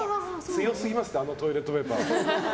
強すぎますってあのトイレットペーパー。